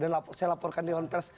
dan saya laporkan di dalam press